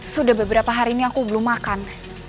sudah beberapa hari ini aku belum makan